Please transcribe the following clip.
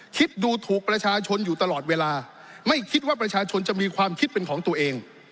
คิดดูถูกประชาชนอยู่ตลอดเวลาไม่คิดว่าประชาชนจะมีความคิดเป็นของตัวเอง